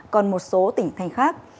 còn một số tỉnh thành khác